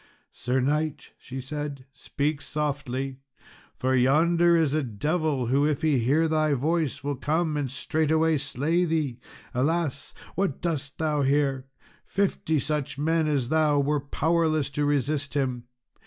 "Sir knight," she said, "speak softly, for yonder is a devil, who, if he hear thy voice, will come and straightway slay thee. Alas! what dost thou here? Fifty such men as thou were powerless to resist him.